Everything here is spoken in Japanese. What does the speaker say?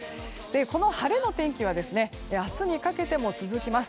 この晴れの天気は明日にかけても続きます。